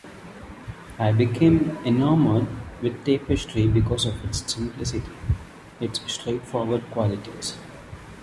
I became enamored with tapestry because of its simplicity - its straightforward qualities.